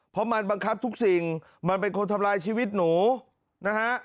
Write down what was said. เพราะมันบังคับทุกสิ่งมันเป็นคนทำลายชีวิตหนูนะฮะ